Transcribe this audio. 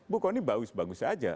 bu kony bagus bagus saja